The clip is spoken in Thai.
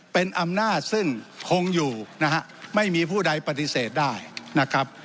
เป็นอำนาจซึ่งคงอยู่นะฮะไม่มีผู้ใดปฏิเสธได้นะครับ